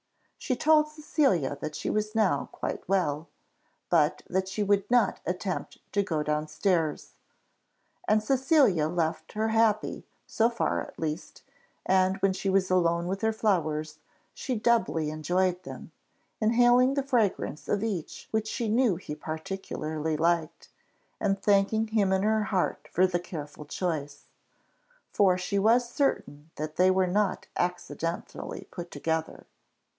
She told Cecilia that she was now quite well, but that she would not attempt to go down stairs. And Cecilia left her happy, so far at least; and when she was alone with her flowers, she doubly enjoyed them, inhaling the fragrance of each which she knew he particularly liked, and thanking him in her heart for the careful choice, for she was certain that they were not accidentally put together.